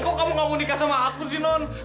kok kamu gak mau nikah sama aku sih non